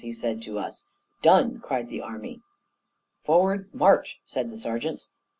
he said to us. 'Done!' cried the army. 'Forward, march!' said the sergeants.